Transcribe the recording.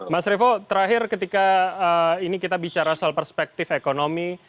mas revo terakhir ketika ini kita bicara soal perspektif ekonomi